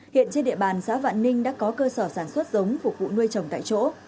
hiện trên địa bàn xã vạn ninh đã có cơ sở sản xuất giống phục vụ nuôi trồng tại chỗ